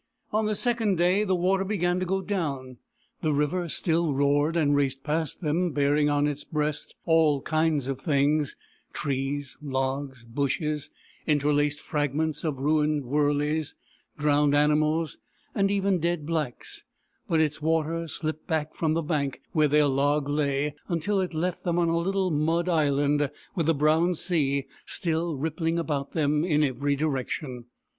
On the second day, the water began to go down. The river still roared and raced past them, bear ing on its breast all kinds of things : trees, logs, bushes, interlaced fragments of ruined wurleys, drowned animals, and even dead blacks ; but its water slipped back from the bank where their log lay, until it left them on a little mud island, with the brown sea still rippling about them in every direction.